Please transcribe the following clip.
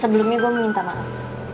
sebelumnya gue minta maaf